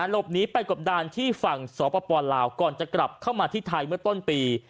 หลบหนีไปกบดานที่ฝั่งสปลาวก่อนจะกลับเข้ามาที่ไทยเมื่อต้นปี